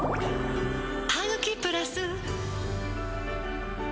「ハグキプラス」